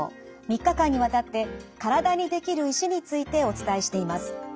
３日間にわたって体にできる石についてお伝えしています。